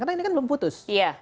karena ini kan belum putus